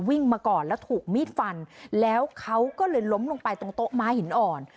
วิ่งมาก่อนแล้วถูกมีดฟันแล้วเขาก็เลยล้มลงไปตรงโต๊ะม้าหินอ่อน